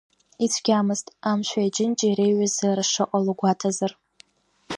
Ицәгьамызт, амшәи аҷынҷеи реиҩызара шыҟало гәаҭазар…